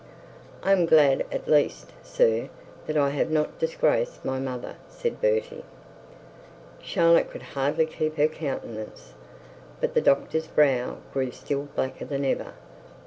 'I am glad at least sir, that I have not disgraced my mother,' said Bertie. Charlotte could hardly keep her countenance; but the doctor's brow grew still blacker than ever.